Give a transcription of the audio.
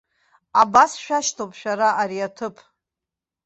Абас шәашьҭоуп шәара ари аҭыԥ.